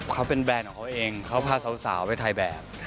เขาเป็นแบรนด์ของเขาเองเขาพาสาวไปถ่ายแบบ